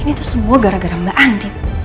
ini tuh semua gara gara mbak andi